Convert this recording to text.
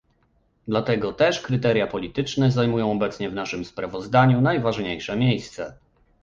Dlatego też kryteria polityczne zajmują obecnie w naszym sprawozdaniu najważniejsze miejsce